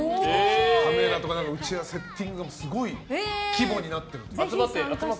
カメラとかセッティングがすごい規模になってるみたい。